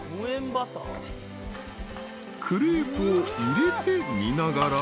［クレープを入れて煮ながら］